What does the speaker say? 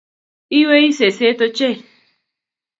Inywei seset ochei